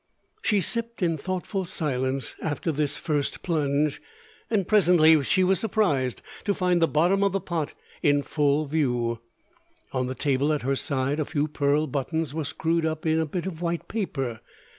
She sipped in thoughtful silence after this first plunge, and presently she was surprised to find the bottom of the pot in full view. On the table at her side a few pearl buttons were screwed up in a bit of white paper.